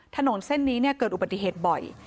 ถนนเส้นนี้เกิดอุบัติเหตุบ่อย